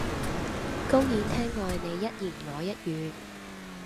公演廳外你一言我一語